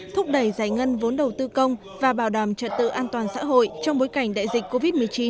thúc đẩy giải ngân vốn đầu tư công và bảo đảm trật tự an toàn xã hội trong bối cảnh đại dịch covid một mươi chín